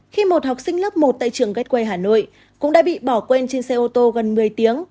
khi một học sinh lớp một tại trường gateway hà nội cũng đã bị bỏ quên trên xe ô tô gần một mươi tiếng